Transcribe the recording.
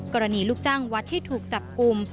ลูกจ้างวัดที่ถูกจับกลุ่ม